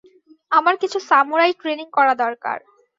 আমার কিছু samurai training করা দরকার।